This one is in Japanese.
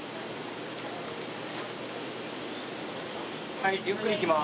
はいゆっくりいきます。